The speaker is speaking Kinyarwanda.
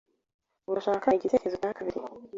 Urashaka igitekerezo cya kabiri?